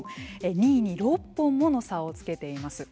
２位に６本もの差をつけています。